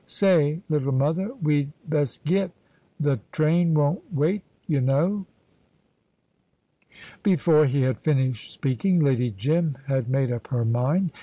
Say, little mother, we'd best get. Th' train won't wait, y' know." Before he had finished speaking Lady Jim had made up her mind.